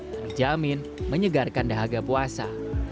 berjamin menyegarkan dahaga puasa